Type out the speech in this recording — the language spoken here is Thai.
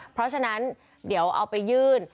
เพราะฉะนั้นเดี๋ยวเอาไปยื่น